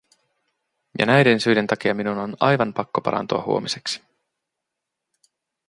Ja näiden syiden takia minun on aivan pakko parantua huomiseksi.